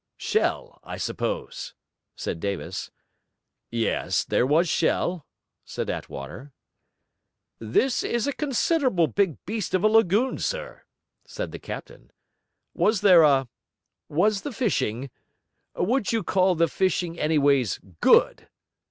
'Shell, I suppose?' said Davis. 'Yes, there was shell,' said Attwater. 'This is a considerable big beast of a lagoon, sir,' said the captain. 'Was there a was the fishing would you call the fishing anyways GOOD?'